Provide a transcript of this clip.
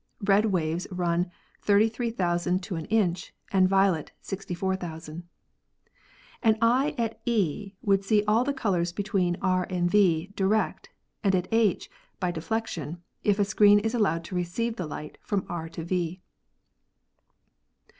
Red waves run 33,000 to an inch and violet 64,000. An eye at E would see all the colors between R and V direct and at H by deflection, if a screen is allowed to receive the light from R to V.